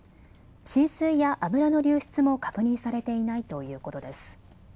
浸水や油の流出も確認されていないということです。